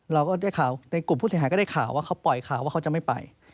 เราก็ได้ข่าวในกลุ่มผู้เสียหายก็ได้ข่าวว่าเขาปล่อยข่าวว่าเขาจะไม่ไป